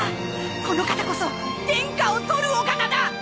この方こそ天下を取るお方だ！